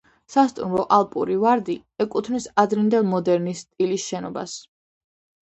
სასტუმრო „ალპური ვარდი“ ეკუთვნის ადრინდელ მოდერნის სტილის შენობას.